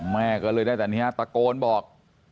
แม่ก็เลยได้แต่นี่ฮะตะโกนบอก